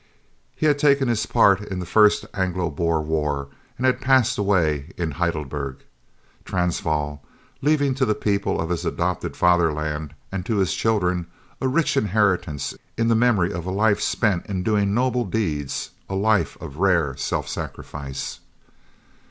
He had taken his part in the first Anglo Boer war and had passed away in Heidelberg, Transvaal, leaving to the people of his adopted fatherland and to his children a rich inheritance in the memory of a life spent in doing noble deeds a life of rare self sacrifice.